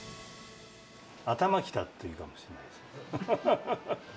頭きたって言うかもしれないです。